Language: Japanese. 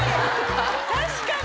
確かに！